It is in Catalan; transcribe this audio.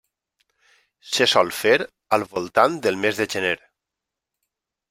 Se sol fer al voltant del mes de gener.